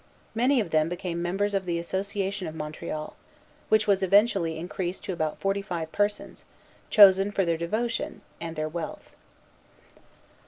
Many of them became members of the Association of Montreal, which was eventually increased to about forty five persons, chosen for their devotion and their wealth.